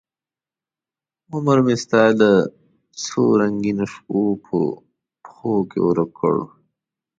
عمرمې ستا د څورنګینوشپو په پښوکې ورک کړ